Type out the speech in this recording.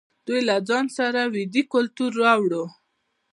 دوی له ځان سره ویدي کلتور راوړ.